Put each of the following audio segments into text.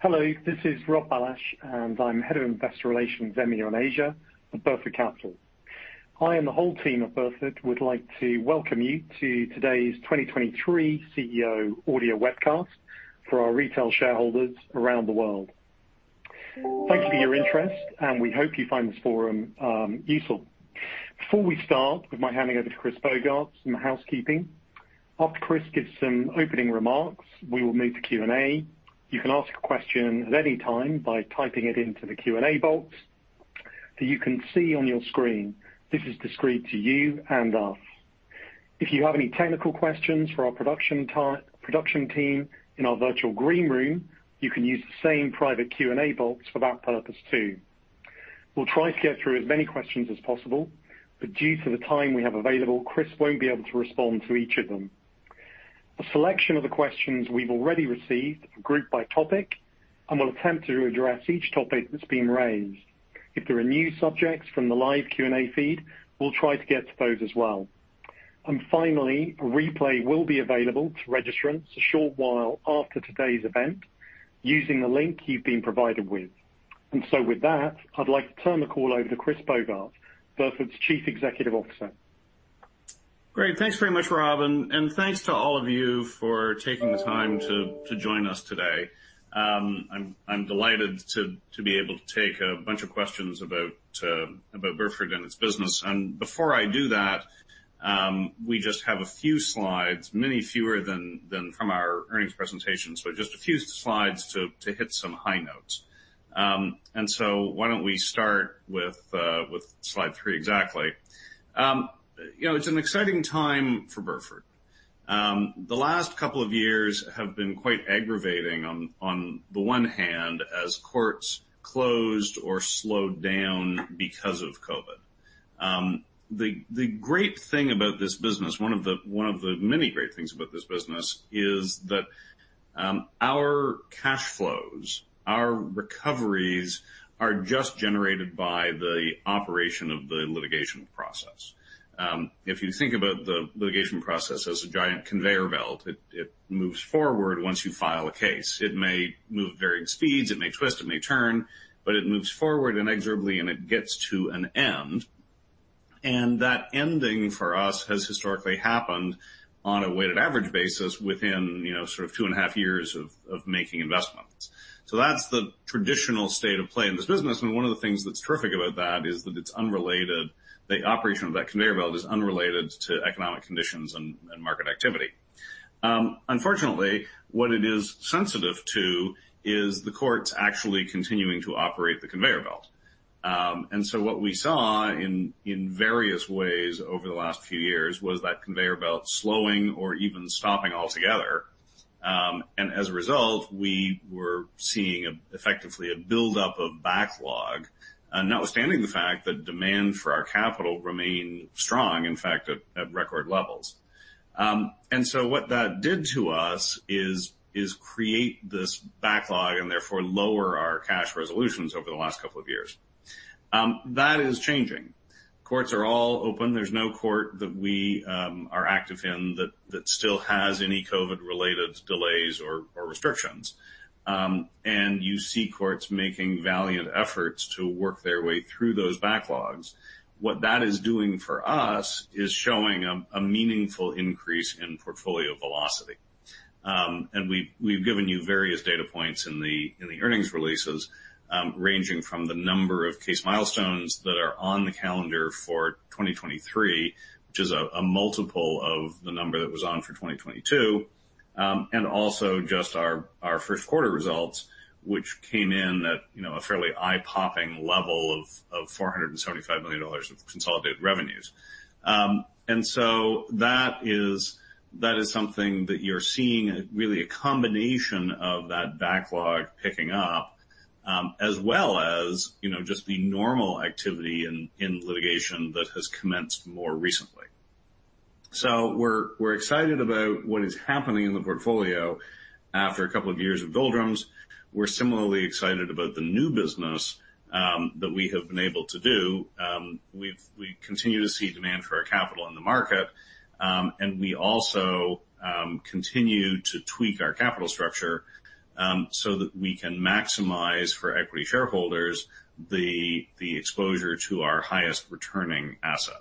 Hello, this is Robert Bailhache, and I'm Head of Investor Relations, EMEA and Asia at Burford Capital. I and the whole team at Burford would like to welcome you to today's 2023 CEO audio webcast for our retail shareholders around the world. Thank you for your interest, and we hope you find this forum useful. Before we start with my handing over to Chris Bogart, some housekeeping. After Chris gives some opening remarks, we will move to Q&A. You can ask a question at any time by typing it into the Q&A box that you can see on your screen. This is discreet to you and us. If you have any technical questions for our production team in our virtual green room, you can use the same private Q&A box for that purpose, too. We'll try to get through as many questions as possible, but due to the time we have available, Chris won't be able to respond to each of them. A selection of the questions we've already received are grouped by topic, and we'll attempt to address each topic that's been raised. If there are new subjects from the live Q&A feed, we'll try to get to those as well. Finally, a replay will be available to registrants a short while after today's event, using the link you've been provided with. With that, I'd like to turn the call over to Chris Bogart, Burford's Chief Executive Officer. Great. Thanks very much, Rob, and thanks to all of you for taking the time to join us today. I'm delighted to be able to take a bunch of questions about Burford and its business. Before I do that, we just have a few slides, many fewer than from our earnings presentation, so just a few slides to hit some high notes. Why don't we start with slide 3 exactly. You know, it's an exciting time for Burford. The last couple of years have been quite aggravating on the one hand, as courts closed or slowed down because of COVID. The great thing about this business, one of the many great things about this business is that our cash flows, our recoveries, are just generated by the operation of the litigation process. If you think about the litigation process as a giant conveyor belt, it moves forward once you file a case. It may move at varying speeds, it may twist, it may turn, but it moves forward inexorably, and it gets to an end. That ending, for us, has historically happened on a weighted average basis within, you know, sort of 2.5 years of making investments. That's the traditional state of play in this business, and one of the things that's terrific about that is that the operation of that conveyor belt is unrelated to economic conditions and market activity. Unfortunately, what it is sensitive to is the courts actually continuing to operate the conveyor belt. What we saw in various ways over the last few years was that conveyor belt slowing or even stopping altogether. As a result, we were seeing a, effectively a buildup of backlog, notwithstanding the fact that demand for our capital remained strong, in fact, at record levels. What that did to us is create this backlog and therefore lower our cash resolutions over the last couple of years. That is changing. Courts are all open. There's no court that we are active in that still has any COVID-related delays or restrictions. You see courts making valiant efforts to work their way through those backlogs. What that is doing for us is showing a meaningful increase in portfolio velocity. We've given you various data points in the earnings releases, ranging from the number of case milestones that are on the calendar for 2023, which is a multiple of the number that was on for 2022. Also just our first quarter results, which came in at, you know, a fairly eye-popping level of $475 million of consolidated revenues. That is something that you're seeing, really a combination of that backlog picking up, as well as, you know, just the normal activity in litigation that has commenced more recently. We're excited about what is happening in the portfolio after a couple of years of doldrums. We're similarly excited about the new business that we have been able to do. We continue to see demand for our capital in the market, and we also continue to tweak our capital structure so that we can maximize for equity shareholders, the exposure to our highest returning assets.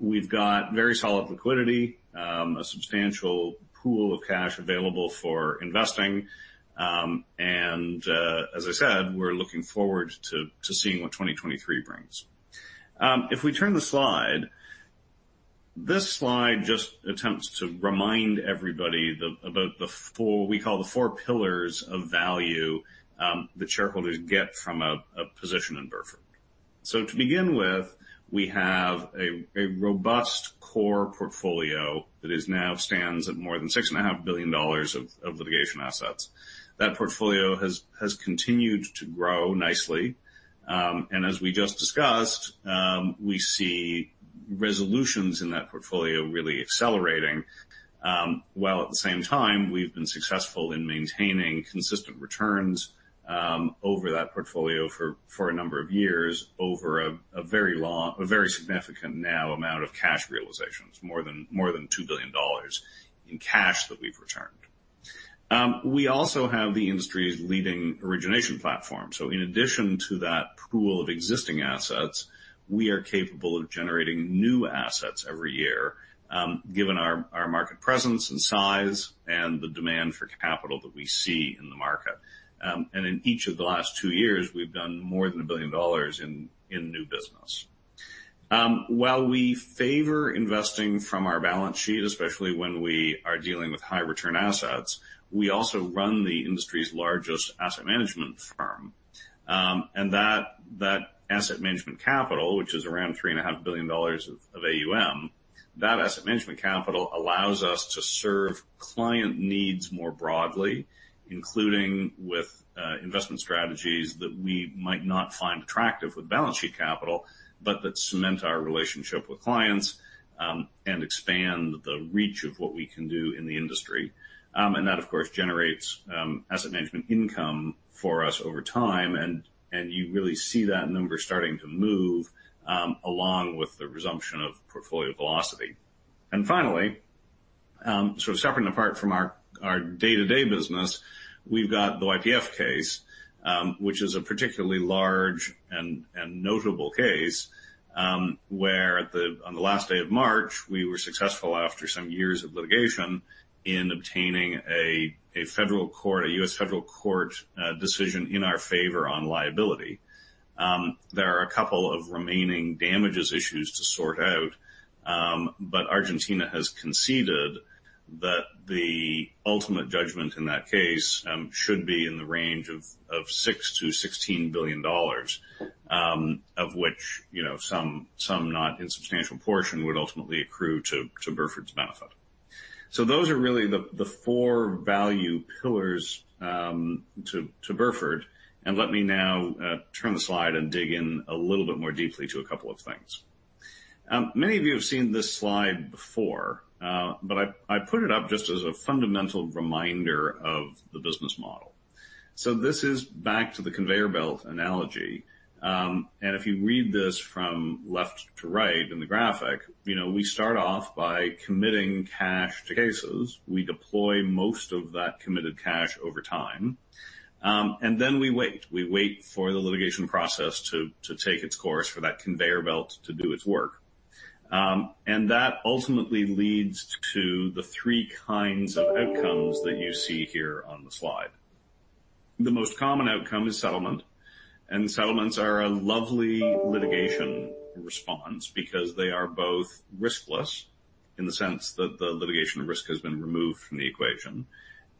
We've got very solid liquidity, a substantial pool of cash available for investing, and as I said, we're looking forward to seeing what 2023 brings. If we turn the slide, this slide just attempts to remind everybody about the four we call the four pillars of value that shareholders get from a position in Burford. To begin with, we have a robust core portfolio that is now stands at more than $6.5 billion of litigation assets. That portfolio has continued to grow nicely, and as we just discussed, we see resolutions in that portfolio really accelerating, while at the same time we've been successful in maintaining consistent returns over that portfolio for a number of years over a very long, a very significant now amount of cash realizations, more than $2 billion in cash that we've returned. We also have the industry's leading origination platform. In addition to that pool of existing assets, we are capable of generating new assets every year, given our market presence and size and the demand for capital that we see in the market. In each of the last 2 years, we've done more than $1 billion in new business. While we favor investing from our balance sheet, especially when we are dealing with high return assets, we also run the industry's largest asset management firm. That asset management capital, which is around $3.5 billion of AUM, that asset management capital allows us to serve client needs more broadly, including with investment strategies that we might not find attractive with balance sheet capital, but that cement our relationship with clients, and expand the reach of what we can do in the industry. That, of course, generates asset management income for us over time, and you really see that number starting to move along with the resumption of portfolio velocity. Finally, sort of separate and apart from our day-to-day business, we've got the YPF case, which is a particularly large and notable case, where on the last day of March, we were successful after some years of litigation in obtaining a federal court, a U.S. federal court, decision in our favor on liability. There are a couple of remaining damages issues to sort out. Argentina has conceded that the ultimate judgment in that case should be in the range of $6 billion-$16 billion, of which, you know, some not insubstantial portion would ultimately accrue to Burford's benefit. Those are really the four value pillars to Burford. Let me now turn the slide and dig in a little bit more deeply to a couple of things. Many of you have seen this slide before, I put it up just as a fundamental reminder of the business model. This is back to the conveyor belt analogy. If you read this from left to right in the graphic, you know, we start off by committing cash to cases. We deploy most of that committed cash over time, then we wait. We wait for the litigation process to take its course, for that conveyor belt to do its work. That ultimately leads to the three kinds of outcomes that you see here on the slide. The most common outcome is settlement. Settlements are a lovely litigation response because they are both riskless in the sense that the litigation risk has been removed from the equation.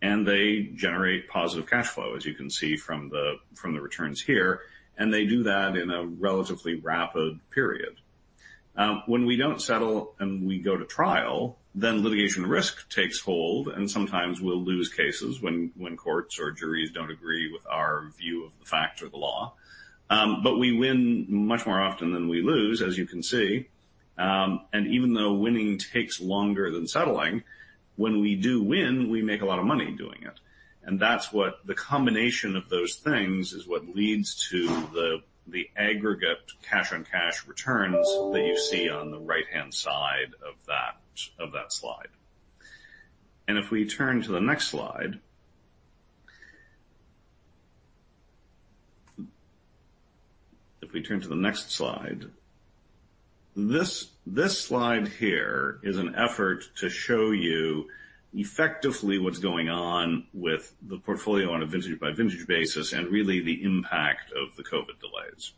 They generate positive cash flow, as you can see from the returns here, and they do that in a relatively rapid period. When we don't settle and we go to trial, then litigation risk takes hold, and sometimes we'll lose cases when courts or juries don't agree with our view of the facts or the law. We win much more often than we lose, as you can see. Even though winning takes longer than settling, when we do win, we make a lot of money doing it. That's what the combination of those things is, what leads to the aggregate cash-on-cash returns that you see on the right-hand side of that, of that slide. If we turn to the next slide... If we turn to the next slide, this slide here is an effort to show you effectively what's going on with the portfolio on a vintage-by-vintage basis, and really the impact of the COVID delays.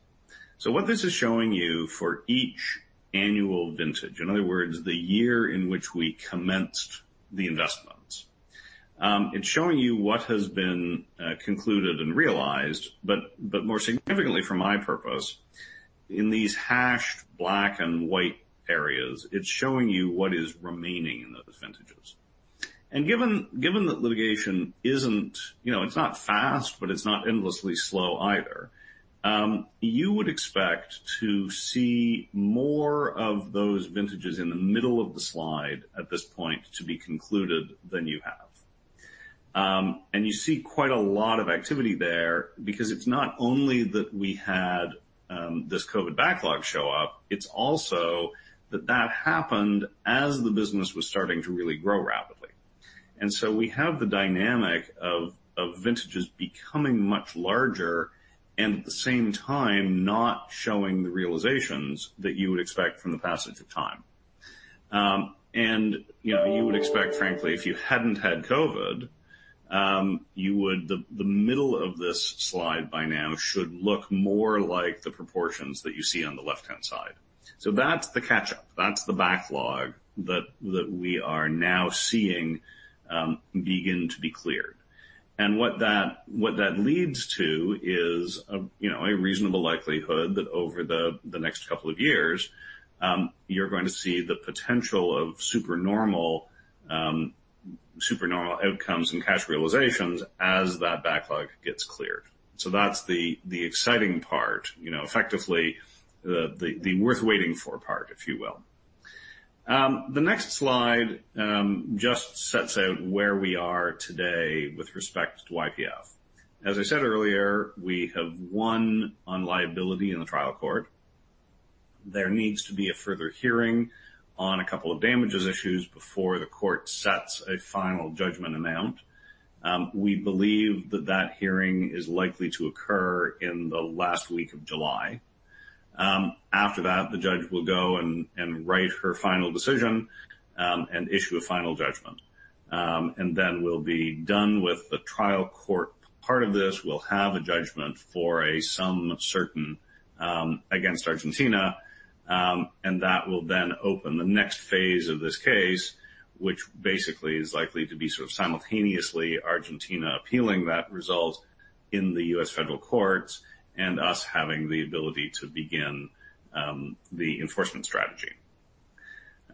What this is showing you for each annual vintage, in other words, the year in which we commenced the investments, it's showing you what has been concluded and realized. More significantly for my purpose, in these hashed black and white areas, it's showing you what is remaining in those vintages. Given that litigation isn't, you know, it's not fast, but it's not endlessly slow either, you would expect to see more of those vintages in the middle of the slide at this point to be concluded than you have. You see quite a lot of activity there, because it's not only that we had this COVID backlog show up, it's also that that happened as the business was starting to really grow rapidly. We have the dynamic of vintages becoming much larger and at the same time not showing the realizations that you would expect from the passage of time. You know, you would expect, frankly, if you hadn't had COVID, the middle of this slide by now should look more like the proportions that you see on the left-hand side. That's the catch-up. That's the backlog that we are now seeing begin to be cleared. What that leads to is a, you know, a reasonable likelihood that over the next couple of years, you're going to see the potential of supernormal outcomes and cash realizations as that backlog gets cleared. That's the exciting part, you know, effectively the worth waiting for part, if you will. The next slide just sets out where we are today with respect to YPF. As I said earlier, we have won on liability in the trial court. There needs to be a further hearing on a couple of damages issues before the court sets a final judgment amount. We believe that that hearing is likely to occur in the last week of July. After that, the judge will go and write her final decision and issue a final judgment. We'll be done with the trial court part of this. We'll have a judgment for a sum certain against Argentina, and that will then open the next phase of this case, which basically is likely to be sort of simultaneously Argentina appealing that result in the U.S. federal courts and us having the ability to begin the enforcement strategy.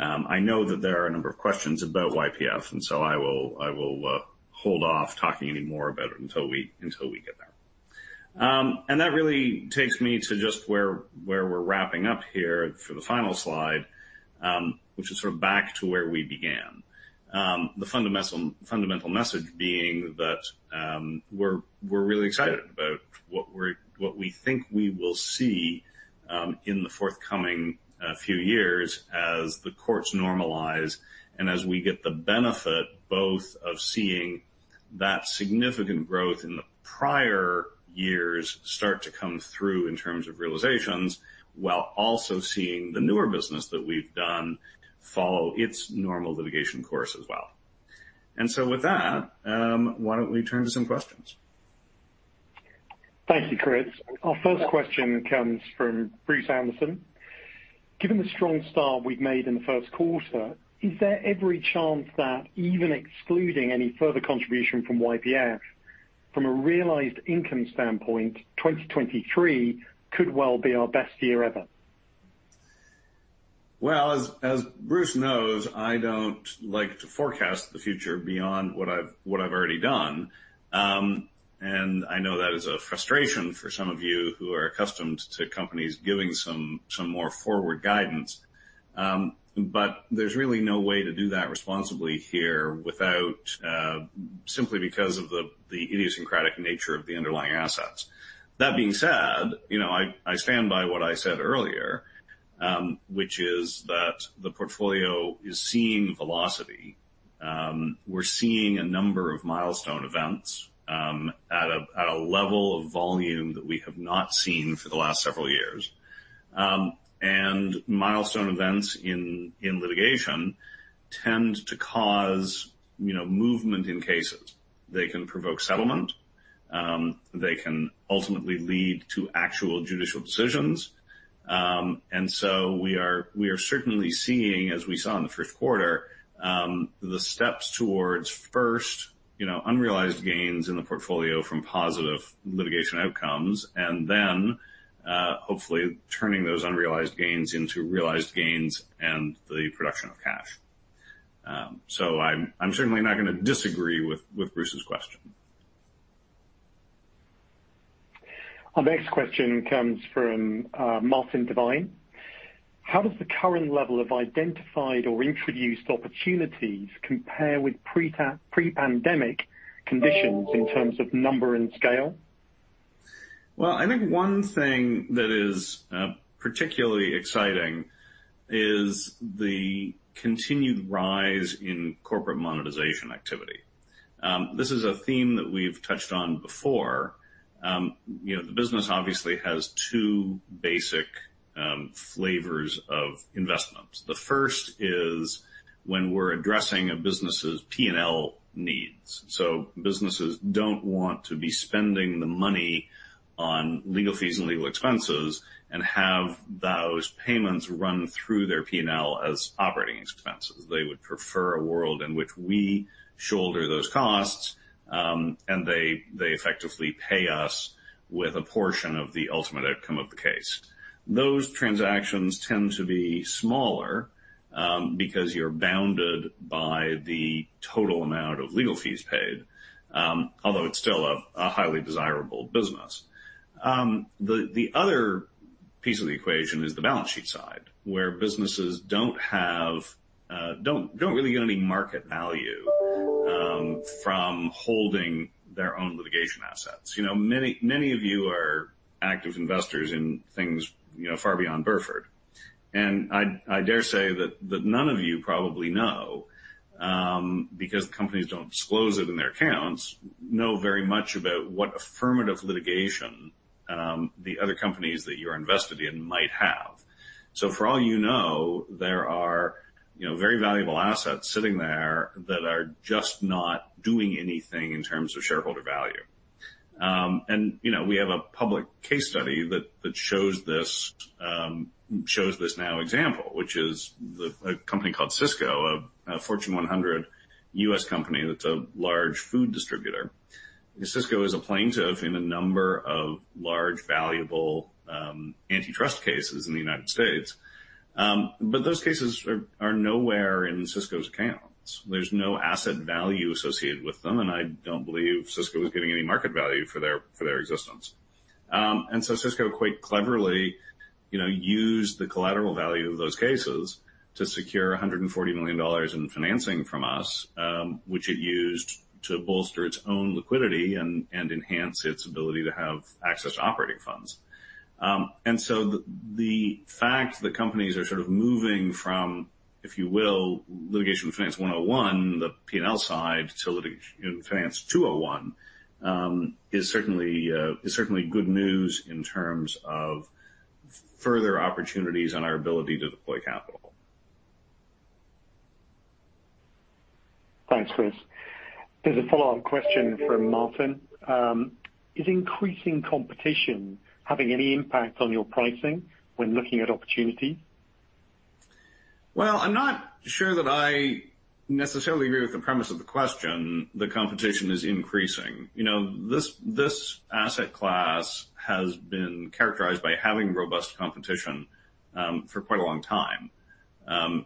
I know that there are a number of questions about YPF, and so I will hold off talking any more about it until we get there. That really takes me to just where we're wrapping up here for the final slide, which is sort of back to where we began. The fundamental message being that, we're really excited about what we think we will see in the forthcoming few years as the courts normalize and as we get the benefit both of seeing that significant growth in the prior years start to come through in terms of realizations, while also seeing the newer business that we've done follow its normal litigation course as well. With that, why don't we turn to some questions? Thank you, Chris. Our first question comes from Bruce Anderson. Given the strong start we've made in the first quarter, is there every chance that even excluding any further contribution from YPF, from a realized income standpoint, 2023 could well be our best year ever? Well, as Bruce knows, I don't like to forecast the future beyond what I've already done. I know that is a frustration for some of you who are accustomed to companies giving some more forward guidance. There's really no way to do that responsibly here without simply because of the idiosyncratic nature of the underlying assets. That being said, you know, I stand by what I said earlier, which is that the portfolio is seeing velocity. We're seeing a number of milestone events, at a level of volume that we have not seen for the last several years. Milestone events in litigation tend to cause, you know, movement in cases. They can provoke settlement, they can ultimately lead to actual judicial decisions. We are certainly seeing, as we saw in the first quarter, you know, unrealized gains in the portfolio from positive litigation outcomes, and then, hopefully turning those unrealized gains into realized gains and the production of cash. I'm certainly not going to disagree with Bruce's question. Our next question comes from, Martin Divine. How does the current level of identified or introduced opportunities compare with pre-pandemic conditions in terms of number and scale? Well, I think one thing that is particularly exciting is the continued rise in corporate monetization activity. This is a theme that we've touched on before. You know, the business obviously has two basic flavors of investments. The first is when we're addressing a business's P&L needs. Businesses don't want to be spending the money on legal fees and legal expenses and have those payments run through their P&L as operating expenses. They would prefer a world in which we shoulder those costs, and they effectively pay us with a portion of the ultimate outcome of the case. Those transactions tend to be smaller, because you're bounded by the total amount of legal fees paid, although it's still a highly desirable business. The other piece of the equation is the balance sheet side, where businesses don't have, don't really get any market value from holding their own litigation assets. You know, many, many of you are active investors in things, you know, far beyond Burford, and I dare say that none of you probably know because companies don't disclose it in their accounts, know very much about what affirmative litigation the other companies that you're invested in might have. For all you know, there are, you know, very valuable assets sitting there that are just not doing anything in terms of shareholder value. You know, we have a public case study that shows this, shows this now example, which is a company called Sysco, a Fortune 100 US company that's a large food distributor. Sysco is a plaintiff in a number of large, valuable, antitrust cases in the United States. Those cases are nowhere in Sysco's accounts. There's no asset value associated with them, and I don't believe Sysco is getting any market value for their existence. Sysco, quite cleverly, you know, use the collateral value of those cases to secure $140 million in financing from us, which it used to bolster its own liquidity and enhance its ability to have access to operating funds. The fact that companies are sort of moving from, if you will, litigation finance 101, the P&L side, to litigation finance 201, is certainly good news in terms of further opportunities on our ability to deploy capital. Thanks, Chris. There's a follow-up question from Martin. Is increasing competition having any impact on your pricing when looking at opportunity? Well, I'm not sure that I necessarily agree with the premise of the question, that competition is increasing. You know, this asset class has been characterized by having robust competition for quite a long time.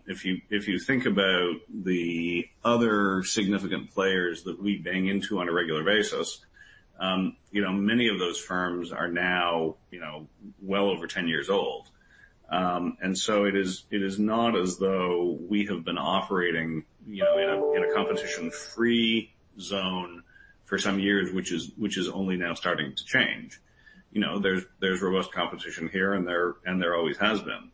If you think about the other significant players that we bang into on a regular basis, you know, many of those firms are now, you know, well over 10 years old. It is not as though we have been operating, you know, in a competition-free zone for some years, which is only now starting to change. You know, there's robust competition here, and there always has been.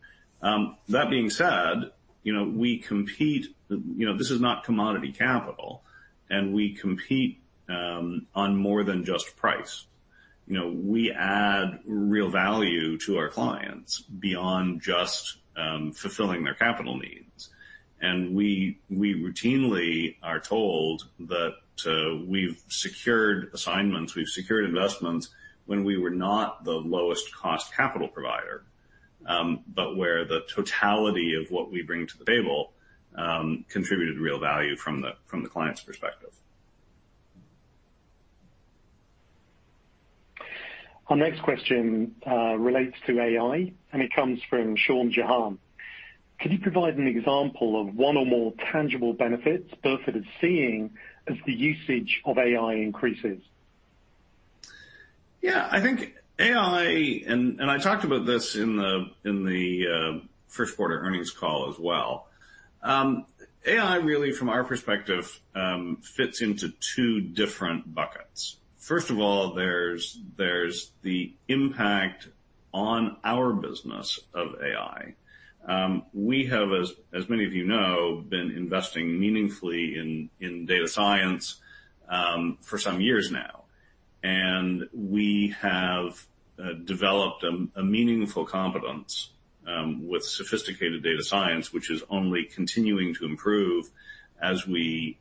That being said, you know, this is not commodity capital, and we compete on more than just price. You know, we add real value to our clients beyond just fulfilling their capital needs. We routinely are told that we've secured assignments, we've secured investments when we were not the lowest cost capital provider, but where the totality of what we bring to the table contributed real value from the client's perspective. Our next question relates to AI. It comes from Sean Jahan. Can you provide an example of one or more tangible benefits Burford is seeing as the usage of AI increases? Yeah, I think AI, and I talked about this in the first quarter earnings call as well. AI, really, from our perspective, fits into two different buckets. First of all, there's the impact on our business of AI. We have, as many of you know, been investing meaningfully in data science for some years now, and we have developed a meaningful competence with sophisticated data science, which is only continuing to improve as we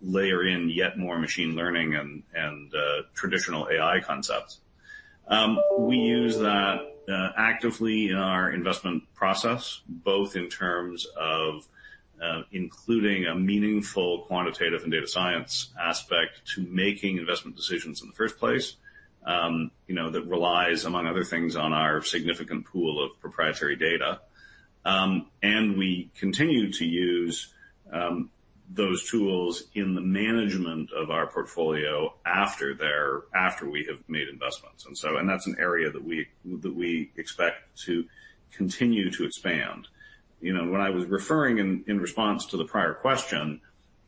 layer in yet more machine learning and traditional AI concepts. We use that actively in our investment process, both in terms of including a meaningful quantitative and data science aspect to making investment decisions in the first place, you know, that relies, among other things, on our significant pool of proprietary data. We continue to use those tools in the management of our portfolio after we have made investments. That's an area that we, that we expect to continue to expand. You know, when I was referring in response to the prior question,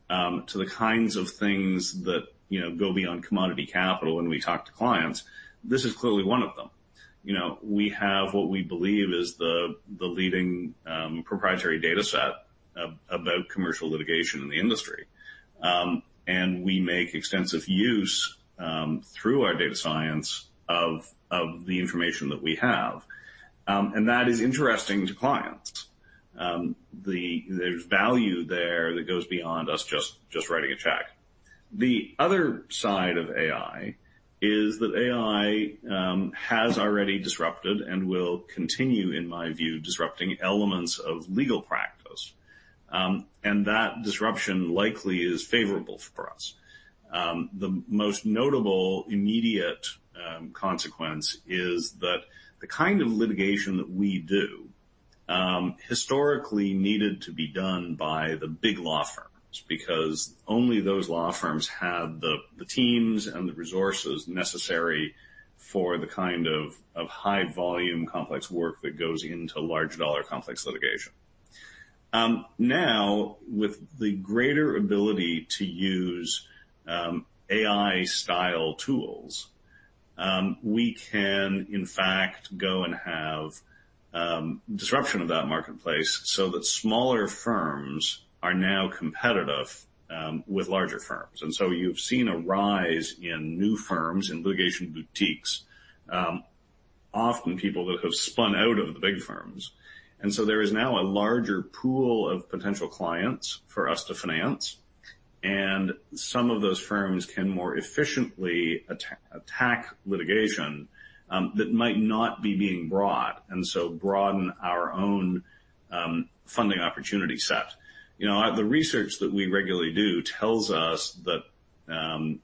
to the kinds of things that, you know, go beyond commodity capital when we talk to clients, this is clearly one of them. You know, we have what we believe is the leading proprietary data set about commercial litigation in the industry. We make extensive use through our data science of the information that we have. That is interesting to clients. There's value there that goes beyond us just writing a check. The other side of AI is that AI has already disrupted and will continue, in my view, disrupting elements of legal practice, and that disruption likely is favorable for us. The most notable immediate consequence is that the kind of litigation that we do historically needed to be done by the big law firms, because only those law firms had the teams and the resources necessary for the kind of high volume, complex work that goes into large dollar complex litigation. Now, with the greater ability to use AI-style tools, we can in fact, go and have disruption of that marketplace so that smaller firms are now competitive with larger firms. You've seen a rise in new firms, in litigation boutiques, often people that have spun out of the big firms. There is now a larger pool of potential clients for us to finance, and some of those firms can more efficiently attack litigation that might not be being brought, and so broaden our own funding opportunity set. You know, the research that we regularly do tells us that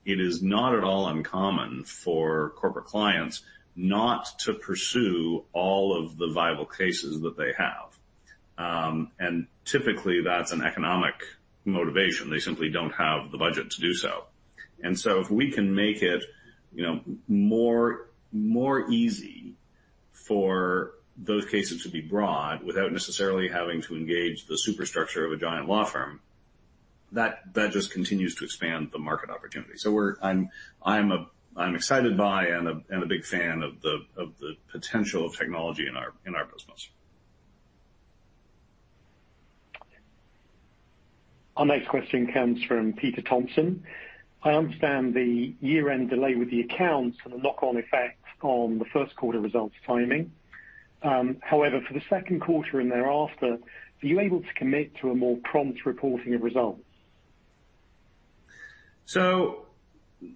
it is not at all uncommon for corporate clients not to pursue all of the viable cases that they have. Typically, that's an economic motivation. They simply don't have the budget to do so. If we can make it, you know, more easy for those cases to be brought without necessarily having to engage the superstructure of a giant law firm, that just continues to expand the market opportunity. I'm excited by and a big fan of the, of the potential of technology in our business. Our next question comes from Peter Thompson. I understand the year-end delay with the accounts and the knock-on effect on the first quarter results timing. For the second quarter and thereafter, are you able to commit to a more prompt reporting of results?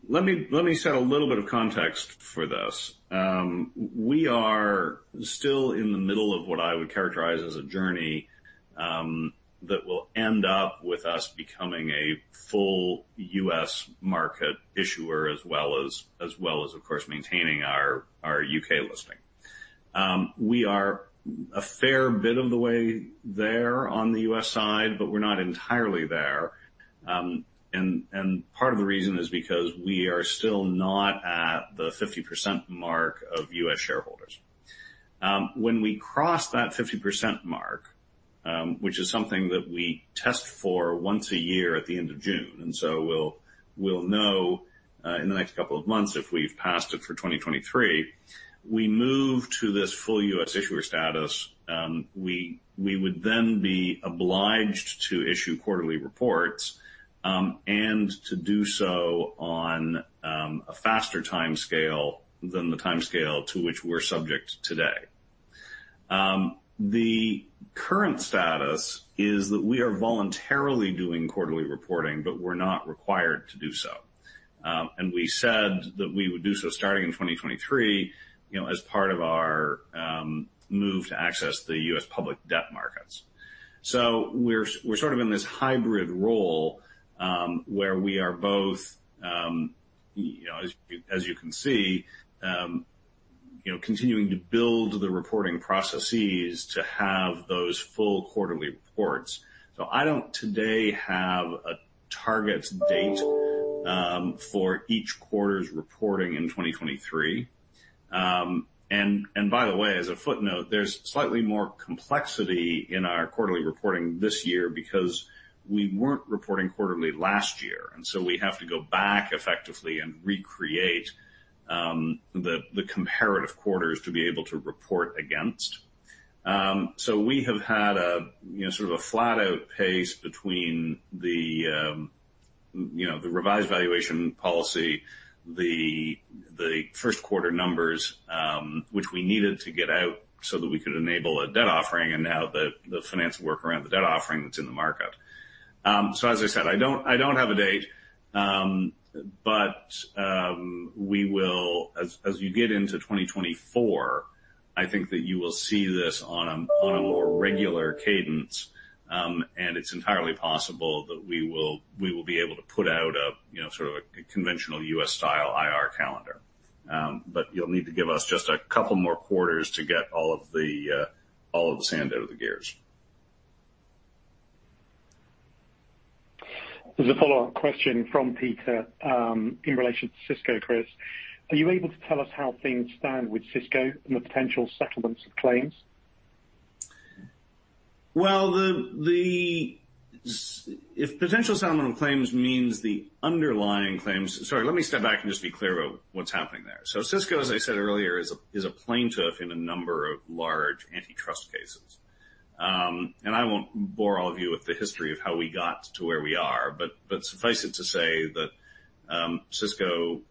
Let me set a little bit of context for this. We are still in the middle of what I would characterize as a journey, that will end up with us becoming a full U.S. market issuer as well as, of course, maintaining our U.K. listing. We are a fair bit of the way there on the U.S. side, but we're not entirely there. Part of the reason is because we are still not at the 50% mark of U.S. shareholders. When we cross that 50% mark, which is something that we test for once a year at the end of June, and so we'll know in the next couple of months if we've passed it for 2023, we move to this full U.S. issuer status. We would then be obliged to issue quarterly reports, and to do so on a faster timescale than the timescale to which we're subject today. The current status is that we are voluntarily doing quarterly reporting, but we're not required to do so. And we said that we would do so starting in 2023, you know, as part of our move to access the U.S. public debt markets. We're sort of in this hybrid role, where we are both, you know, as you, as you can see, you know, continuing to build the reporting processes to have those full quarterly reports. I don't today have a target date for each quarter's reporting in 2023. And by the way, as a footnote, there's slightly more complexity in our quarterly reporting this year because we weren't reporting quarterly last year, and so we have to go back effectively and recreate, the comparative quarters to be able to report against. We have had a, you know, sort of a flat-out pace between the, you know, the revised valuation policy, the first quarter numbers, which we needed to get out so that we could enable a debt offering and now the finance work around the debt offering that's in the market. As I said, I don't, I don't have a date, but, we will... As you get into 2024, I think that you will see this on a more regular cadence. It's entirely possible that we will be able to put out a, you know, sort of a conventional U.S.-style IR calendar. You'll need to give us just a couple more quarters to get all of the sand out of the gears. There's a follow-up question from Peter, in relation to Sysco, Chris. Are you able to tell us how things stand with Sysco and the potential settlements of claims? Well, if potential settlement of claims means the underlying claims. Sorry, let me step back and just be clear about what's happening there. Sysco, as I said earlier, is a plaintiff in a number of large antitrust cases. I won't bore all of you with the history of how we got to where we are, but suffice it to say that Sysco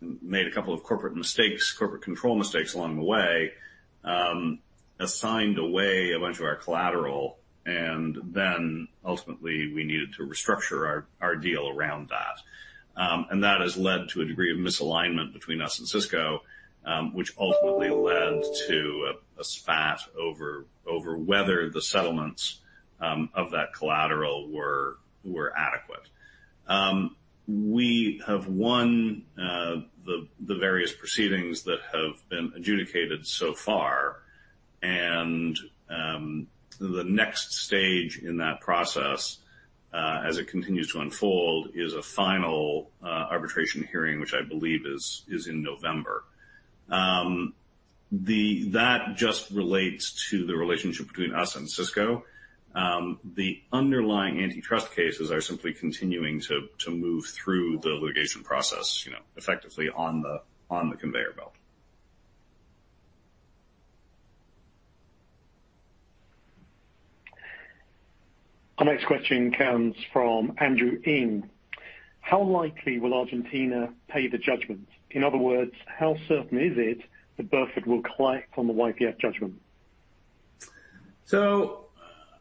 made a couple of corporate mistakes, corporate control mistakes along the way, assigned away a bunch of our collateral, and then ultimately we needed to restructure our deal around that. That has led to a degree of misalignment between us and Sysco, which ultimately led to a spat over whether the settlements of that collateral were adequate. We have won the various proceedings that have been adjudicated so far, and the next stage in that process, as it continues to unfold, is a final arbitration hearing, which I believe is in November. That just relates to the relationship between us and Sysco. The underlying antitrust cases are simply continuing to move through the litigation process, you know, effectively on the conveyor belt. Our next question comes from Andrew Ing. How likely will Argentina pay the judgment? In other words, how certain is it that Burford will collect on the YPF judgment?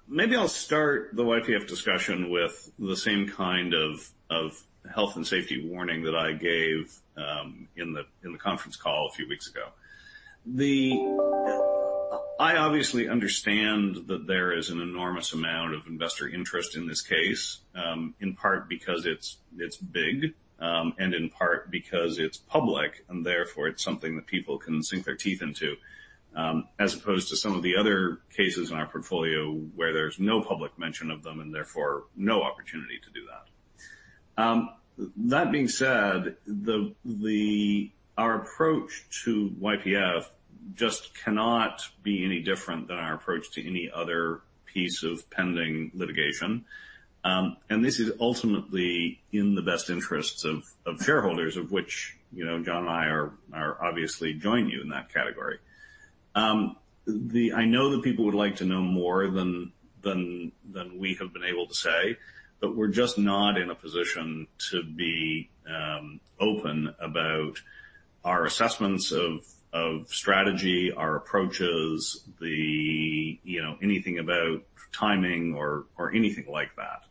Maybe I'll start the YPF discussion with the same kind of health and safety warning that I gave in the conference call a few weeks ago. I obviously understand that there is an enormous amount of investor interest in this case, in part because it's big, and in part because it's public, and therefore it's something that people can sink their teeth into, as opposed to some of the other cases in our portfolio where there's no public mention of them and therefore no opportunity to do that. That being said, our approach to YPF just cannot be any different than our approach to any other piece of pending litigation. This is ultimately in the best interests of shareholders, of which, you know, John and I are obviously joining you in that category. I know that people would like to know more than we have been able to say, but we're just not in a position to be open about our assessments of strategy, our approaches, you know, anything about timing or anything like that.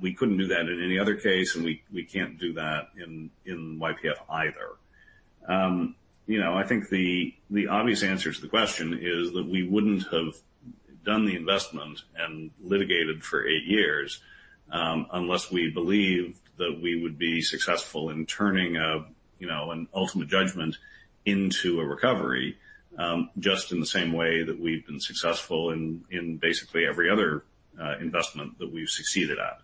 We couldn't do that in any other case. We can't do that in YPF either. You know, I think the obvious answer to the question is that we wouldn't have done the investment and litigated for 8 years unless we believed that we would be successful in turning, you know, an ultimate judgment into a recovery just in the same way that we've been successful in basically every other investment that we've succeeded at.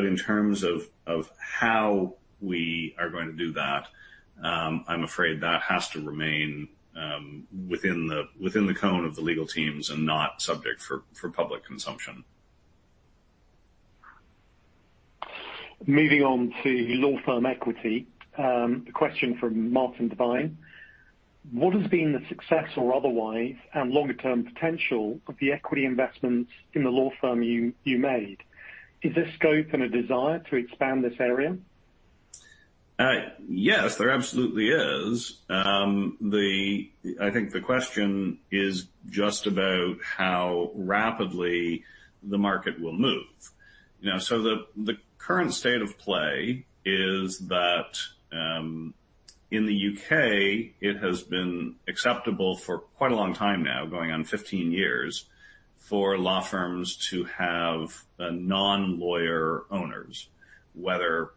In terms of how we are going to do that, I'm afraid that has to remain within the, within the cone of the legal teams and not subject for public consumption. Moving on to law firm equity. A question from Martin Divine: What has been the success or otherwise and longer-term potential of the equity investments in the law firm you made? Is there scope and a desire to expand this area? Yes, there absolutely is. I think the question is just about how rapidly the market will move. You know, the current state of play is that in the U.K., it has been acceptable for quite a long time now, going on 15 years, for law firms to have non-lawyer owners. Whether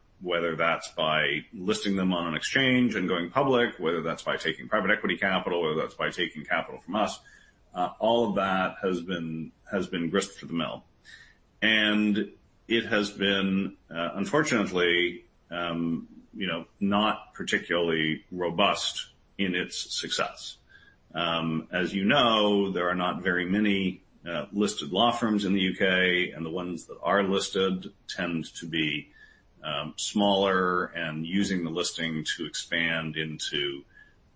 that's by listing them on an exchange and going public, whether that's by taking private equity capital, whether that's by taking capital from us, all of that has been grist for the mill. It has been, unfortunately, you know, not particularly robust in its success. As you know, there are not very many listed law firms in the U.K., and the ones that are listed tend to be smaller and using the listing to expand into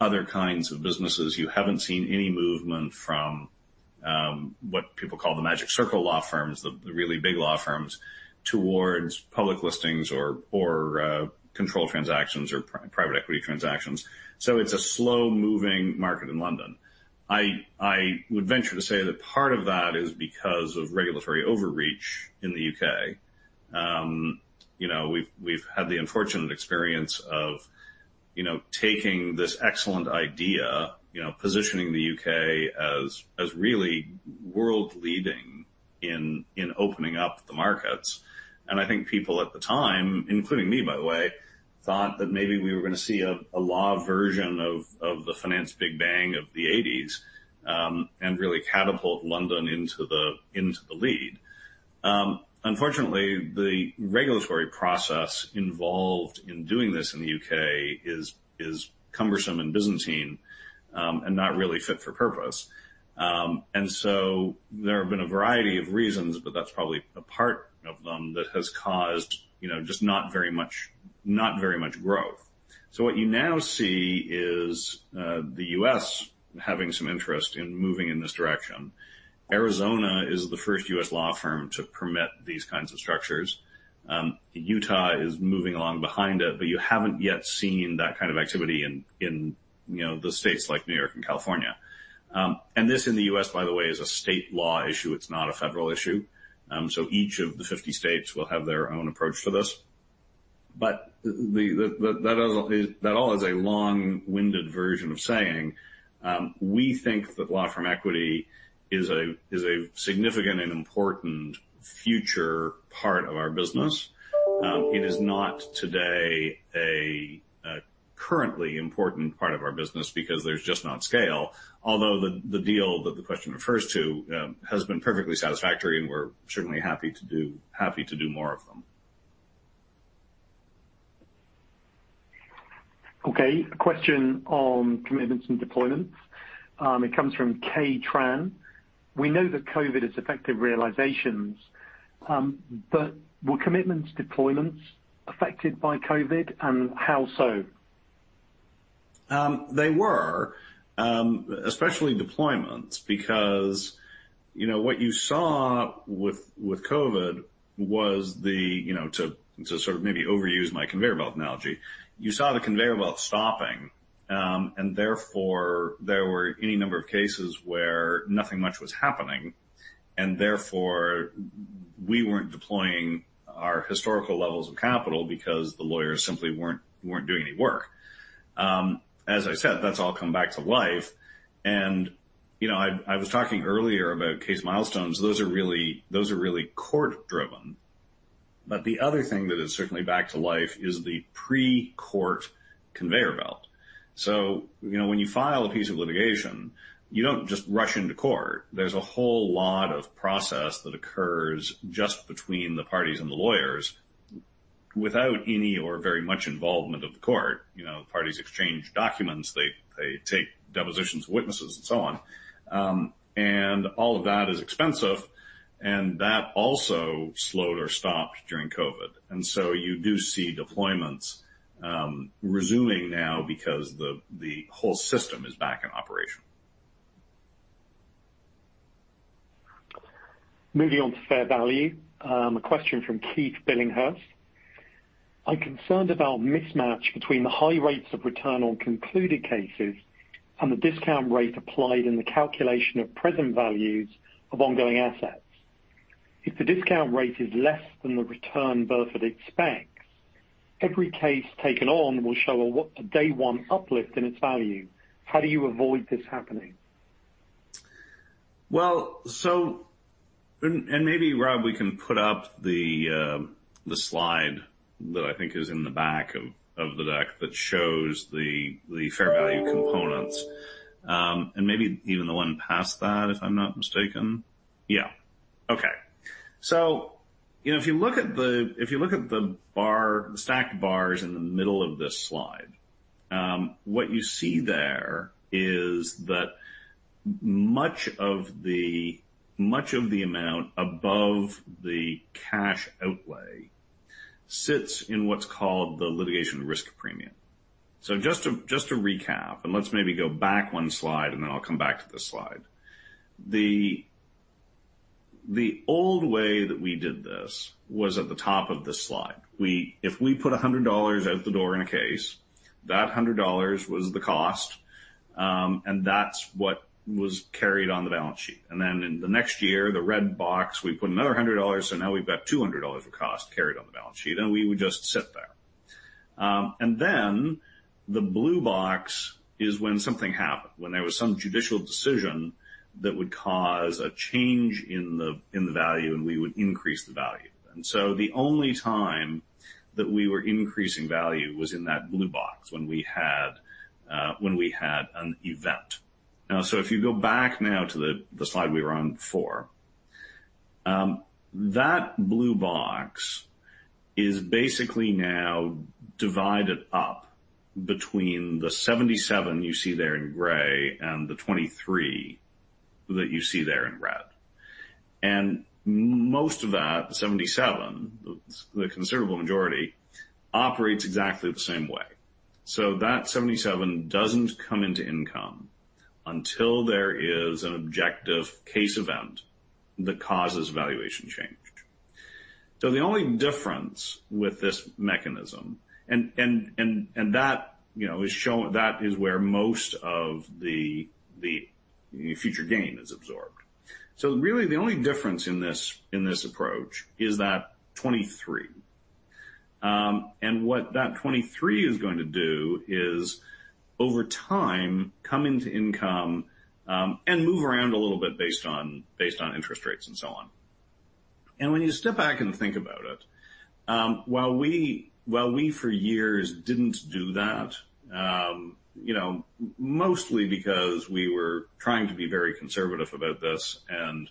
other kinds of businesses. You haven't seen any movement from, what people call the Magic Circle law firms, the really big law firms, towards public listings or controlled transactions or private equity transactions. It's a slow-moving market in London. I would venture to say that part of that is because of regulatory overreach in the U.K. you know, we've had the unfortunate experience of, you know, taking this excellent idea, you know, positioning the U.K. as really world-leading in opening up the markets. I think people at the time, including me, by the way, thought that maybe we were going to see a law version of the finance Big Bang of the 1980s, and really catapult London into the lead. Unfortunately, the regulatory process involved in doing this in the U.K. is cumbersome and byzantine, and not really fit for purpose. There have been a variety of reasons, but that's probably a part of them that has caused, you know, just not very much growth. What you now see is the U.S. having some interest in moving in this direction. Arizona is the first U.S. law firm to permit these kinds of structures. Utah is moving along behind it, but you haven't yet seen that kind of activity in, you know, the states like New York and California. This in the U.S., by the way, is a state law issue. It's not a federal issue. Each of the 50 states will have their own approach to this. That all is a long-winded version of saying, we think that law firm equity is a significant and important future part of our business. It is not today a currently important part of our business because there's just not scale, although the deal that the question refers to has been perfectly satisfactory, and we're certainly happy to do more of them. Okay. A question on commitments and deployments. It comes from Kay Tran. We know that COVID has affected realizations, but were commitments deployments affected by COVID, and how so? They were especially deployments, because what you saw with COVID was the, you know, to sort of maybe overuse my conveyor belt analogy, you saw the conveyor belt stopping. And therefore, there were any number of cases where nothing much was happening, and therefore, we weren't deploying our historical levels of capital because the lawyers simply weren't doing any work. As I said, that's all come back to life. I was talking earlier about case milestones. Those are really court-driven. The other thing that is certainly back to life is the pre-court conveyor belt. When you file a piece of litigation, you don't just rush into court. There's a whole lot of process that occurs just between the parties and the lawyers. without any or very much involvement of the court, you know, parties exchange documents, they take depositions of witnesses, and so on. All of that is expensive, and that also slowed or stopped during COVID. You do see deployments resuming now because the whole system is back in operation. Moving on to fair value, a question from Keith Billinghurst: "I'm concerned about mismatch between the high rates of return on concluded cases and the discount rate applied in the calculation of present values of ongoing assets. If the discount rate is less than the return Burford expects, every case taken on will show a day one uplift in its value. How do you avoid this happening? Well, so... Maybe, Rob, we can put up the slide that I think is in the back of the deck, that shows the fair value components, and maybe even the one past that, if I'm not mistaken. Yeah. Okay. You know, if you look at the, if you look at the bar, the stacked bars in the middle of this slide, what you see there is that much of the amount above the cash outlay sits in what's called the litigation risk premium. Just to, just to recap, and let's maybe go back one slide, and then I'll come back to this slide. The old way that we did this was at the top of this slide. If we put $100 out the door in a case, that $100 was the cost, and that's what was carried on the balance sheet. Then in the next year, the red box, we put another $100, so now we've got $200 of cost carried on the balance sheet, and we would just sit there. Then the blue box is when something happened, when there was some judicial decision that would cause a change in the, in the value, and we would increase the value. So the only time that we were increasing value was in that blue box when we had, when we had an event. If you go back now to the slide we were on before, that blue box is basically now divided up between the 77 you see there in gray and the 23 that you see there in red. Most of that 77, the considerable majority, operates exactly the same way. That 77 doesn't come into income until there is an objective case event that causes valuation change. The only difference with this mechanism. That, you know, is showing that is where most of the future gain is absorbed. Really, the only difference in this approach is that 23. What that 23 is going to do is, over time, come into income, and move around a little bit based on interest rates and so on. When you step back and think about it, while we for years didn't do that, you know, mostly because we were trying to be very conservative about this, and,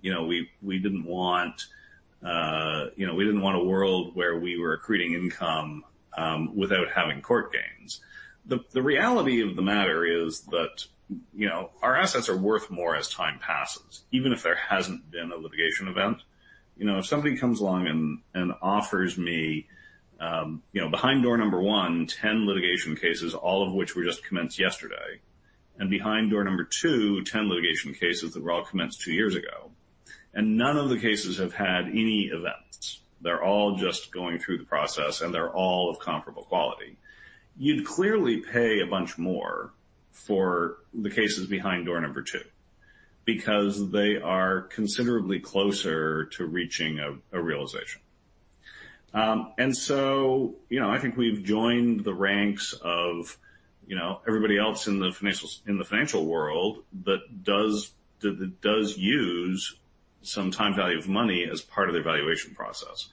you know, we didn't want, you know, we didn't want a world where we were accreting income, without having court gains. The reality of the matter is that, you know, our assets are worth more as time passes, even if there hasn't been a litigation event. You know, if something comes along and offers me, you know, behind door number 1, 10 litigation cases, all of which were just commenced yesterday, and behind door number 2, 10 litigation cases that were all commenced 2 years ago, and none of the cases have had any events. They're all just going through the process, and they're all of comparable quality. You'd clearly pay a bunch more for the cases behind door number two, because they are considerably closer to reaching a realization. So, you know, I think we've joined the ranks of, you know, everybody else in the financial world, that does use some time value of money as part of their valuation process.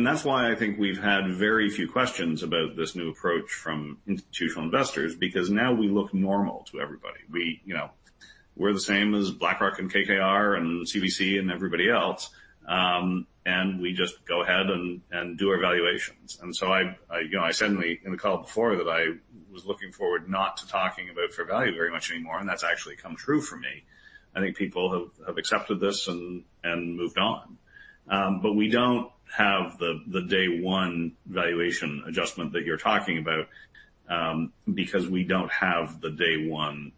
That's why I think we've had very few questions about this new approach from institutional investors, because now we look normal to everybody. We, you know, we're the same as BlackRock and KKR and CVC and everybody else, and we just go ahead and do our valuations. So I, you know, I said in the call before that I was looking forward not to talking about fair value very much anymore, and that's actually come true for me. I think people have accepted this and moved on. We don't have the day one valuation adjustment that you're talking about, because we don't have the day one,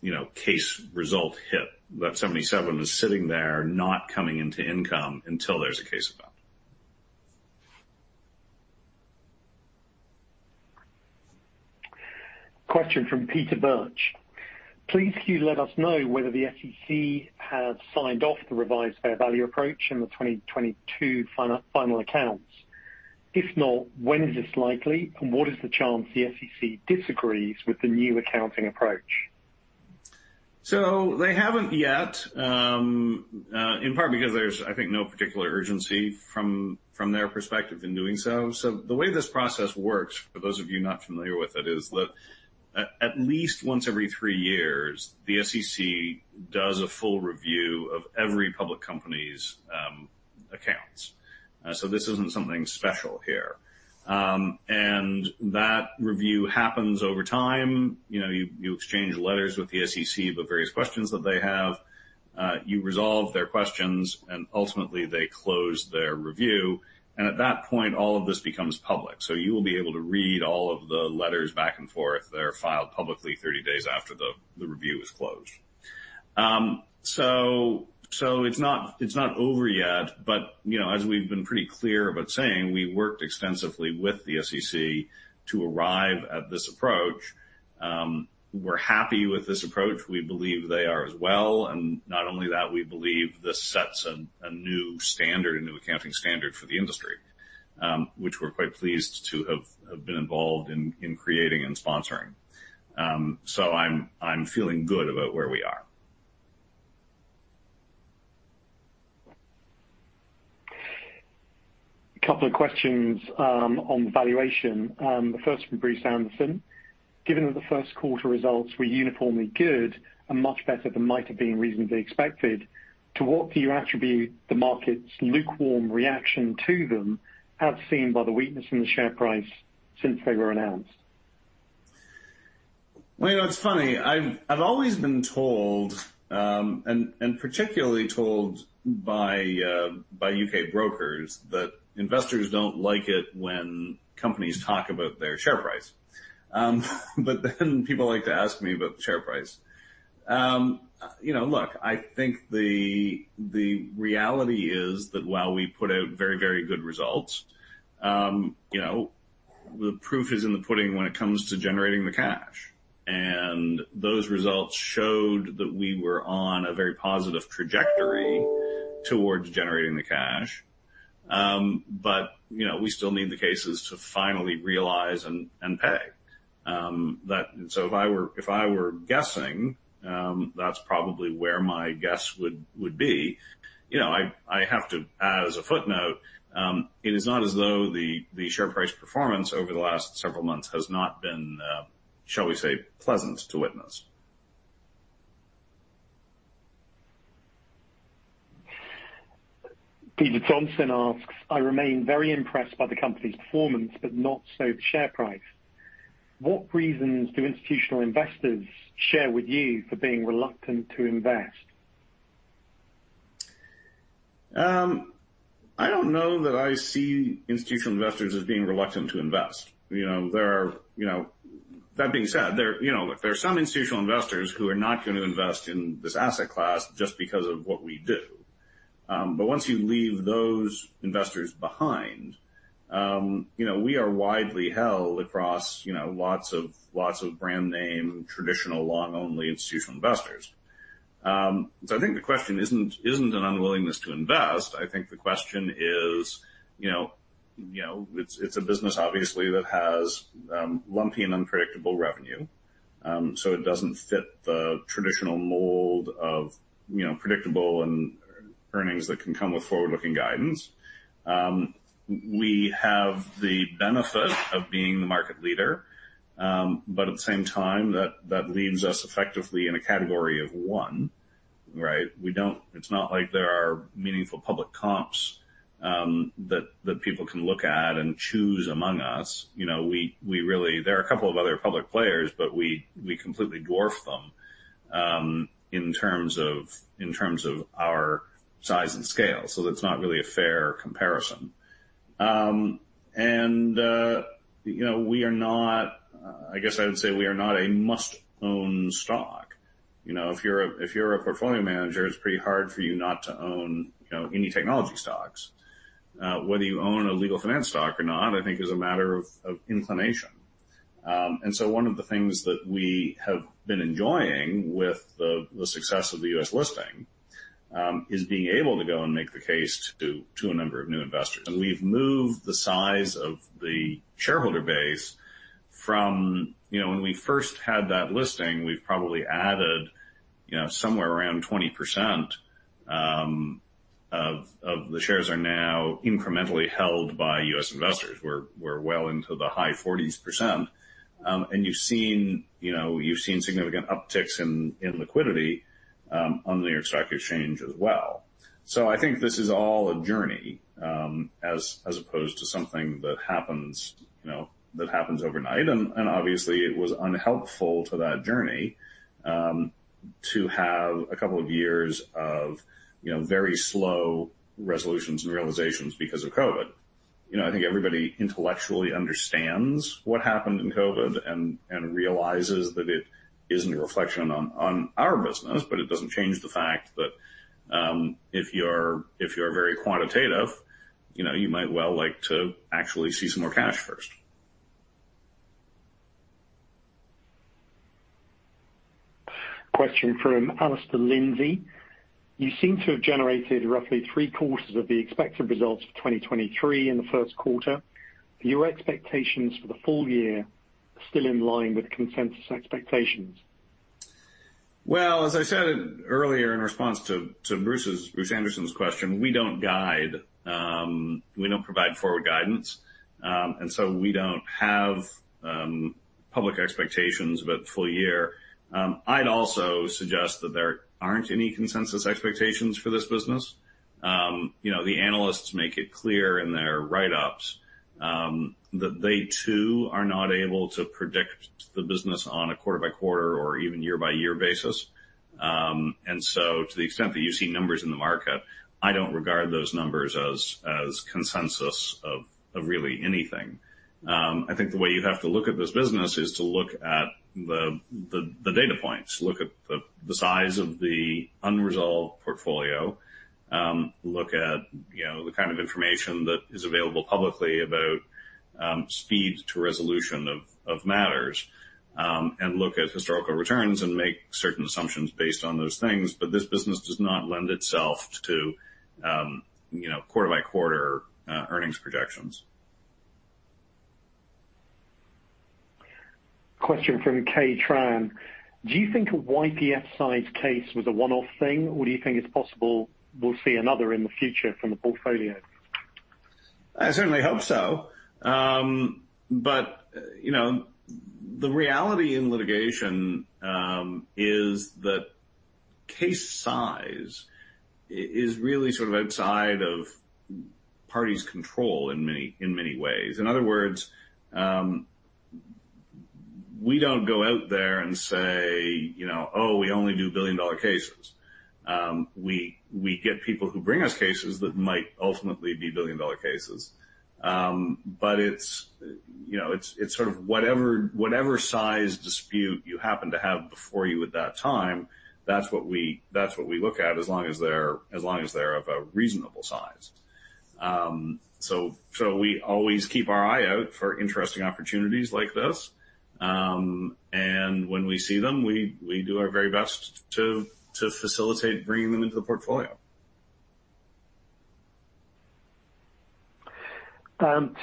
you know, case result hit. That $77 is sitting there, not coming into income until there's a case event. Please, can you let us know whether the SEC has signed off the revised fair value approach in the 2022 final accounts? If not, when is this likely, and what is the chance the SEC disagrees with the new accounting approach? They haven't yet, in part because there's, I think, no particular urgency from their perspective in doing so. The way this process works, for those of you not familiar with it, is that at least once every 3 years, the SEC does a full review of every public company's accounts. This isn't something special here. That review happens over time. You know, you exchange letters with the SEC, the various questions that they have, you resolve their questions, and ultimately they close their review, and at that point, all of this becomes public. You will be able to read all of the letters back and forth. They're filed publicly 30 days after the review is closed. It's not over yet, but, you know, as we've been pretty clear about saying, we worked extensively with the SEC to arrive at this approach. We're happy with this approach. We believe they are as well, and not only that, we believe this sets a new standard, a new accounting standard for the industry, which we're quite pleased to have been involved in creating and sponsoring. I'm feeling good about where we are. A couple of questions, on the valuation. The first from Bruce Anderson. Given that the first quarter results were uniformly good and much better than might have been reasonably expected, to what do you attribute the market's lukewarm reaction to them, as seen by the weakness in the share price since they were announced? Well, you know, it's funny. I've always been told, and particularly told by U.K. brokers, that investors don't like it when companies talk about their share price. People like to ask me about the share price. You know, look, I think the reality is that while we put out very, very good results, you know, the proof is in the pudding when it comes to generating the cash. Those results showed that we were on a very positive trajectory towards generating the cash. You know, we still need the cases to finally realize and pay. If I were guessing, that's probably where my guess would be. You know, I have to add as a footnote, it is not as though the share price performance over the last several months has not been, shall we say, pleasant to witness. Peter Johnson asks, "I remain very impressed by the company's performance, but not so the share price. What reasons do institutional investors share with you for being reluctant to invest? I don't know that I see institutional investors as being reluctant to invest. You know, that being said, there, you know, look, there are some institutional investors who are not going to invest in this asset class just because of what we do. Once you leave those investors behind, you know, we are widely held across, you know, lots of brand name, traditional, long-only institutional investors. I think the question isn't an unwillingness to invest. I think the question is, you know, you know, it's a business, obviously, that has lumpy and unpredictable revenue, it doesn't fit the traditional mold of, you know, predictable and earnings that can come with forward-looking guidance. We have the benefit of being the market leader, but at the same time, that leaves us effectively in a category of one, right? It's not like there are meaningful public comps that people can look at and choose among us. You know, we really... There are a couple of other public players, but we completely dwarf them in terms of our size and scale, so that's not really a fair comparison. You know, we are not... I guess I would say we are not a must-own stock. You know, if you're a portfolio manager, it's pretty hard for you not to own, you know, any technology stocks. Whether you own a legal finance stock or not, I think is a matter of inclination. One of the things that we have been enjoying with the success of the U.S. listing is being able to go and make the case to a number of new investors. We've moved the size of the shareholder base from, you know, when we first had that listing, we've probably added, you know, somewhere around 20% of the shares are now incrementally held by U.S. investors. We're well into the high 40s%. You've seen, you know, significant upticks in liquidity on the New York Stock Exchange as well. I think this is all a journey as opposed to something that happens, you know, that happens overnight. obviously, it was unhelpful to that journey, to have two years of, you know, very slow resolutions and realizations because of COVID. You know, I think everybody intellectually understands what happened in COVID and realizes that it isn't a reflection on our business, but it doesn't change the fact that, if you're, if you're very quantitative, you know, you might well like to actually see some more cash first. You seem to have generated roughly three-quarters of the expected results for 2023 in the first quarter. Are your expectations for the full year still in line with consensus expectations? As I said earlier in response to Bruce's, Bruce Anderson's question, we don't guide. We don't provide forward guidance, we don't have public expectations about the full year. I'd also suggest that there aren't any consensus expectations for this business. You know, the analysts make it clear in their write-ups that they, too, are not able to predict the business on a quarter-by-quarter or even year-by-year basis. To the extent that you see numbers in the market, I don't regard those numbers as consensus of really anything. I think the way you'd have to look at this business is to look at the data points, look at the size of the unresolved portfolio, look at, you know, the kind of information that is available publicly about, speed to resolution of matters, and look at historical returns and make certain assumptions based on those things. This business does not lend itself to, you know, quarter-by-quarter, earnings projections. Do you think a YPF-sized case was a one-off thing, or do you think it's possible we'll see another in the future from the portfolio? I certainly hope so. You know, the reality in litigation is that case size is really sort of outside of parties' control in many, in many ways. In other words, we don't go out there and say, you know, "Oh, we only do billion-dollar cases." We get people who bring us cases that might ultimately be billion-dollar cases. It's, you know, it's sort of whatever size dispute you happen to have before you at that time, that's what we, that's what we look at, as long as they're of a reasonable size. We always keep our eye out for interesting opportunities like this, when we see them, we do our very best to facilitate bringing them into the portfolio.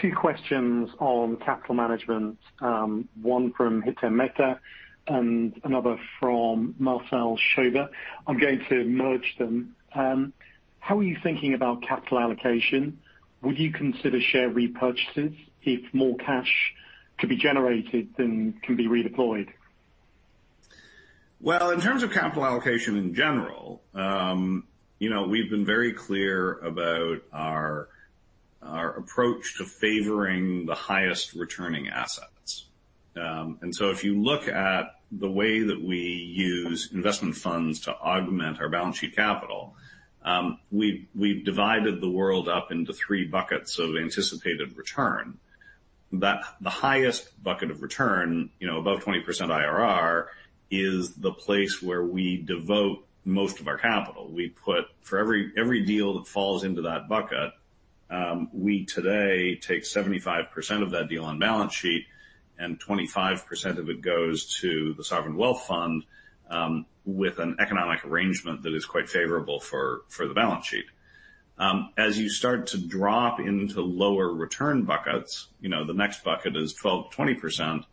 Two questions on capital management, one from Hiten Mehta and another from Marcel Schober. I'm going to merge them. How are you thinking about capital allocation? Would you consider share repurchases if more cash could be generated than can be redeployed? Well, in terms of capital allocation in general, you know, we've been very clear about our approach to favoring the highest returning assets. If you look at the way that we use investment funds to augment our balance sheet capital, we've divided the world up into 3 buckets of anticipated return. The, the highest bucket of return, you know, above 20% IRR, is the place where we devote most of our capital. For every deal that falls into that bucket, we today take 75% of that deal on balance sheet, and 25% of it goes to the sovereign wealth fund, with an economic arrangement that is quite favorable for the balance sheet. As you start to drop into lower return buckets, you know, the next bucket is 12%-20%,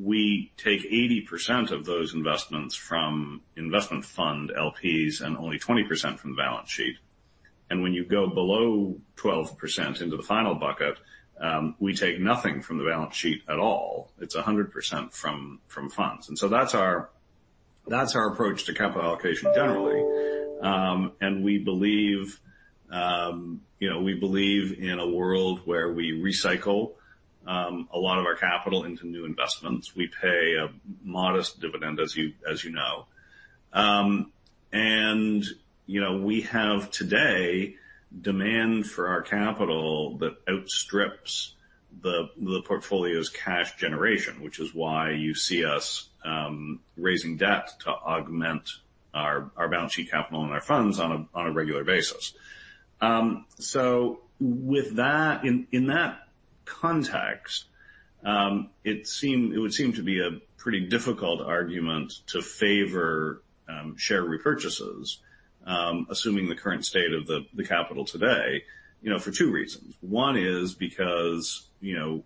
we take 80% of those investments from investment fund LPs and only 20% from the balance sheet. When you go below 12% into the final bucket, we take nothing from the balance sheet at all. It's 100% from funds. That's our approach to capital allocation generally. We believe, you know, we believe in a world where we recycle a lot of our capital into new investments. We pay a modest dividend, as you know. You know, we have today demand for our capital that outstrips the portfolio's cash generation, which is why you see us raising debt to augment our balance sheet capital and our funds on a, on a regular basis. In that context, it would seem to be a pretty difficult argument to favor share repurchases, assuming the current state of the capital today, you know, for two reasons. One is because, you know,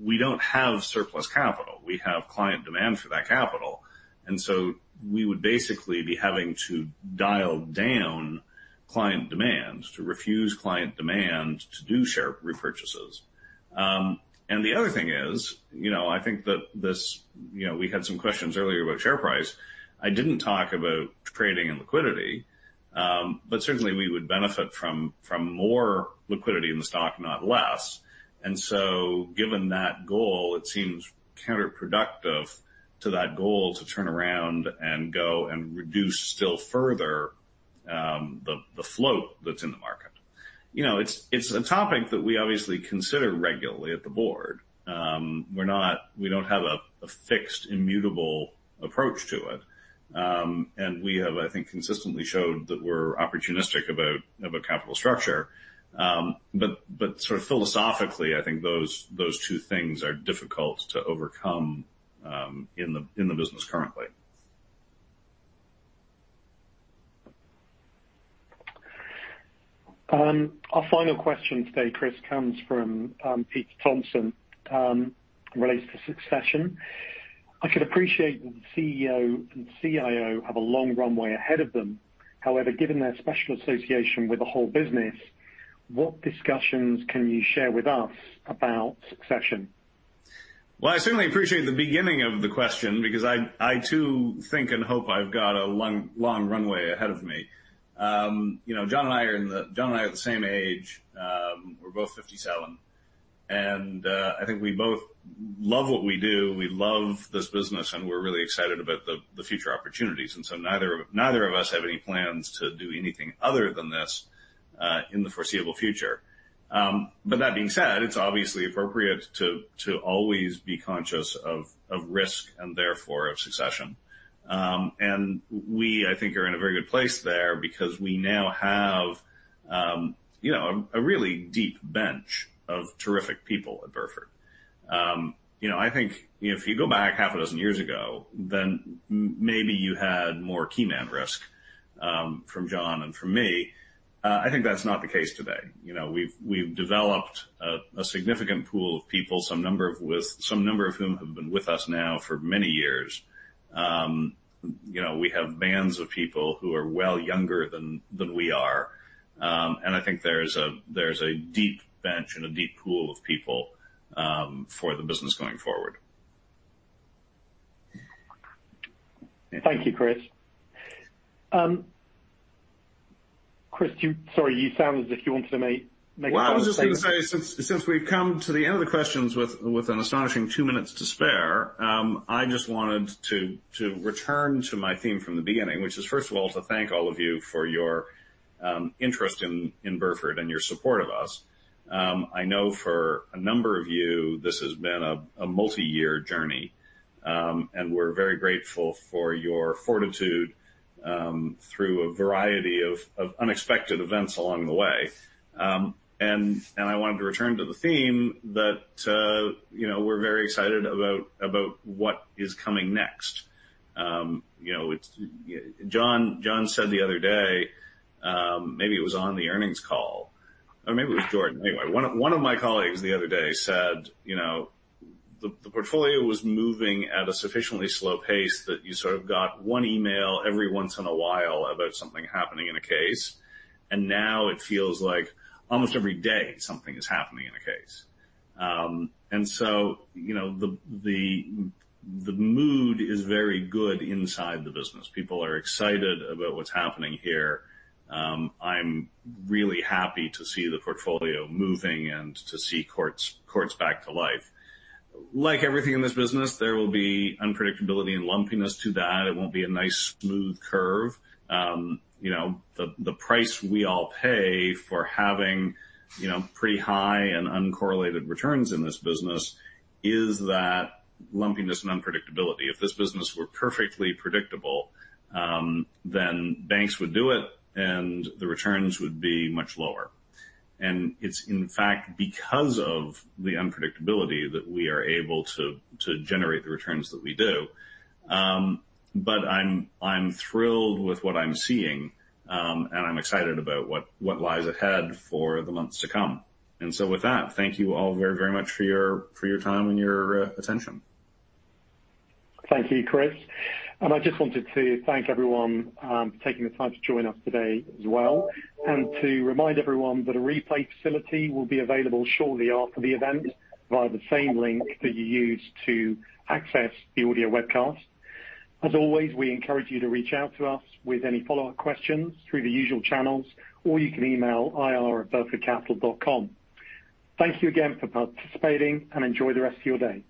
we don't have surplus capital. We have client demand for that capital, we would basically be having to dial down client demand, to refuse client demand to do share repurchases. The other thing is, you know, I think that. You know, we had some questions earlier about share price. I didn't talk about trading and liquidity, but certainly, we would benefit from more liquidity in the stock, not less. Given that goal, it seems counterproductive to that goal to turn around and go and reduce still further the float that's in the market. You know, it's a topic that we obviously consider regularly at the Board. We don't have a fixed, immutable approach to it. We have, I think, consistently showed that we're opportunistic about capital structure. But sort of philosophically, I think those two things are difficult to overcome in the business currently. Our final question today, Chris, comes from Peter Thompson, relates to succession. I can appreciate that the CEO and CIO have a long runway ahead of them. However, given their special association with the whole business, what discussions can you share with us about succession? Well, I certainly appreciate the beginning of the question because I too think and hope I've got a long, long runway ahead of me. you know, John and I are the same age. we're both 57, and I think we both love what we do. We love this business, and we're really excited about the future opportunities. neither of us have any plans to do anything other than this in the foreseeable future. but that being said, it's obviously appropriate to always be conscious of risk and therefore of succession. and we, I think, are in a very good place there because we now have, you know, a really deep bench of terrific people at Burford. You know, I think if you go back half a dozen years ago, then maybe you had more key man risk from John and from me. I think that's not the case today. You know, we've developed a significant pool of people, some number of whom have been with us now for many years. You know, we have bands of people who are well younger than we are. And I think there's a deep bench and a deep pool of people for the business going forward. Thank you, Chris. Chris, Sorry, you sound as if you wanted to make a comment. I was just going to say, since we've come to the end of the questions with an astonishing two minutes to spare, I just wanted to return to my theme from the beginning, which is, first of all, to thank all of you for your interest in Burford and your support of us. I know for a number of you, this has been a multiyear journey. We're very grateful for your fortitude, through a variety of unexpected events along the way. I wanted to return to the theme that, you know, we're very excited about what is coming next. You know, it's John said the other day, maybe it was on the earnings call, or maybe it was Jordan. Anyway, one of my colleagues the other day said, "You know, the portfolio was moving at a sufficiently slow pace that you sort of got one email every once in a while about something happening in a case, and now it feels like almost every day something is happening in a case." You know, the mood is very good inside the business. People are excited about what's happening here. I'm really happy to see the portfolio moving and to see courts back to life. Like everything in this business, there will be unpredictability and lumpiness to that. It won't be a nice, smooth curve. You know, the price we all pay for having, you know, pretty high and uncorrelated returns in this business is that lumpiness and unpredictability. If this business were perfectly predictable, then banks would do it, and the returns would be much lower. It's, in fact, because of the unpredictability that we are able to generate the returns that we do. But I'm thrilled with what I'm seeing, and I'm excited about what lies ahead for the months to come. With that, thank you all very much for your time and your attention. Thank you, Chris. I just wanted to thank everyone for taking the time to join us today as well, and to remind everyone that a replay facility will be available shortly after the event via the same link that you used to access the audio webcast. As always, we encourage you to reach out to us with any follow-up questions through the usual channels, or you can email ir@burfordcapital.com. Thank you again for participating. Enjoy the rest of your day.